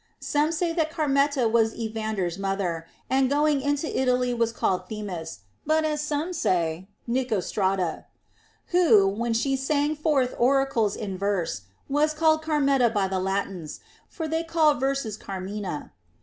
Some say 236 THE ROMAN QUESTIONS. that Carmenta was Evander's mother, and going into Italy was called Themis, but as some say, Nicostrata ; who, when she sang forth oracles in verse, was called Carmenta by the Latins ; for they call verses carmina.